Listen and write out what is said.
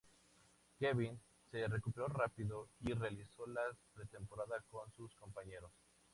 Kevin se recuperó rápido y realizó la pretemporada con sus compañeros.